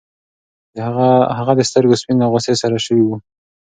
د هغه د سترګو سپین له غوسې سره شوي وو.